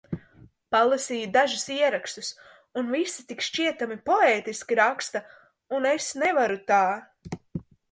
Palasīju dažus ierakstus un visi tik šķietami poētiski raksta un es nevaru tā.